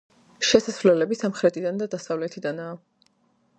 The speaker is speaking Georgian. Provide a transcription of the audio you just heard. შესასვლელები სამხრეთიდან და დასავლეთიდანაა.